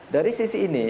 dari sisi ini